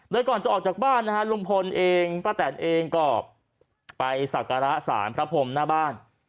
โดยก่อนจะออกจากบ้านนะฮะลุงพลเองป้าแตนเองก็ไปสักการะสารพระพรมหน้าบ้าน